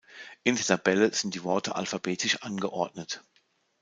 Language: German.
In der Tabelle sind die Worte alphabetisch angeordnet.